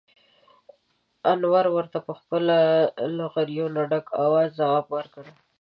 انور ورته په خپل له غريو نه ډک اواز ځواب ور کړ: